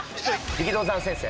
力道山先生。